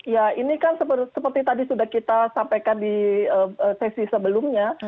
ya ini kan seperti tadi sudah kita sampaikan di sesi sebelumnya